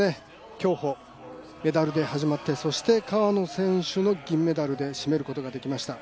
競歩、メダルで始まってそして川野選手の銀メダルで締めることができました。